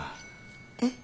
えっ？